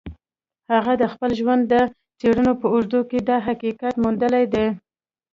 هغه د خپل ژوند د څېړنو په اوږدو کې دا حقیقت موندلی دی